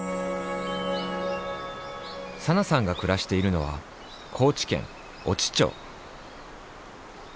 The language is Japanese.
サナさんがくらしているのは高知県越知町。